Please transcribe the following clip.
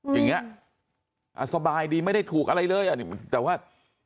อย่างเงี้ยสบายดีไม่ได้ถูกอะไรเลยแต่ว่า